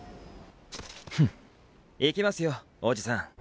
フン行きますよおじさん。